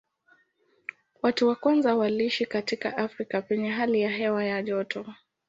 Watu wa kwanza waliishi katika Afrika penye hali ya hewa ya joto.